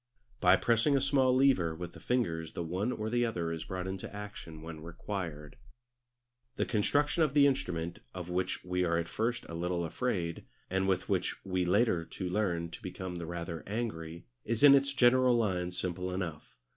By pressing a small lever with the fingers the one or the other is brought into action when required. The construction of the instrument, of which we are at first a little afraid, and with which we later on learn to become rather angry, is in its general lines simple enough.